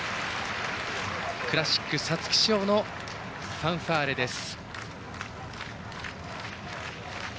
クラシック皐月賞のファンファーレです。